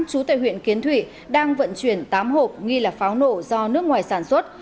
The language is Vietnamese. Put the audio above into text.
chú tại huyện kiến thủy đang vận chuyển tám hộp nghi là pháo nổ do nước ngoài sản xuất